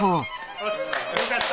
よしよくやった！